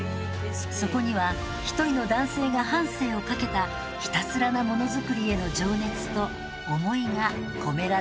そこには一人の男性が半生をかけたひたすらなものづくりへの情熱と思いが込められていました。